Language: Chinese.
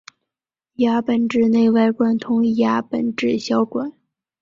牙本质内外贯穿牙本质小管。